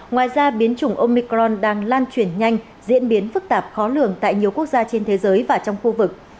ngoài ra biến chủng omicron đang lan chuyển nhanh diễn biến phức tạp khó lường tại nhiều quốc gia trên thế giới và trong khu vực